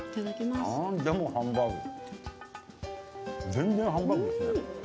全然、ハンバーグですね。